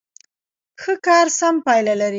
ښه کار سمه پایله لري.